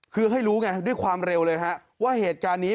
คือให้รู้ไงด้วยความเร็วเลยฮะว่าเหตุการณ์นี้